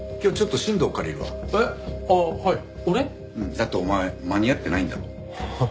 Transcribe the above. だってお前間に合ってないんだろ？